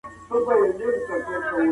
ډیپلوماسي د تفاهم کلتور ته لار هواروي.